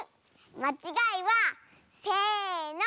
まちがいはせの！